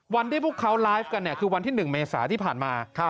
วันที่พวกเขาไลฟ์กันคือวันที่๑เมษาที่ผ่านมา